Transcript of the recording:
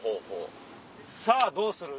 さぁどうする？